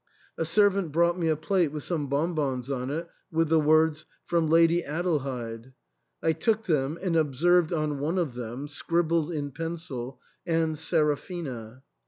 A servant brought me a plate with some bonbons on it, with the words, " From Lady Adelheid." I took them ; and observed on one of them, scribbled in pencil, " and Seraphina."